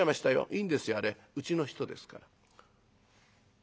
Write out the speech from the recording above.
「いいんですよあれうちの人ですから」。